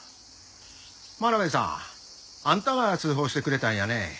真鍋さんあんたが通報してくれたんやね。